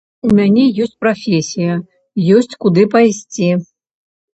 У мяне ёсць прафесія, ёсць куды пайсці.